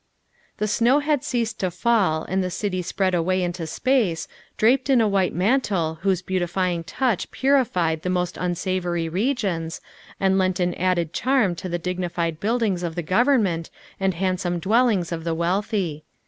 The snow had ceased to fall and the city spread away into space, draped in a white mantel whose beautifying touch purified the most unsavory regions, and lent an added charm to the dignified buildings of the Govern ment and handsome dwellings of the wealthy.